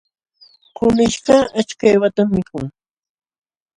Kunishkaq achka qiwatam mikun.